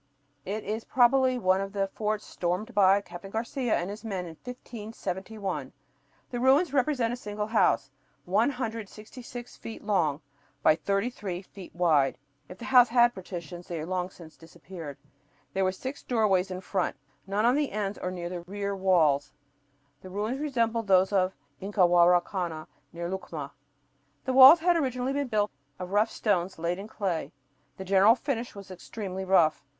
It is probably one of the forts stormed by Captain Garcia and his men in 1571. The ruins represent a single house, 166 feet long by 33 feet wide. If the house had partitions they long since disappeared. There were six doorways in front, none on the ends or in the rear walls. The ruins resembled those of Incahuaracana, near Lucma. The walls had originally been built of rough stones laid in clay. The general finish was extremely rough.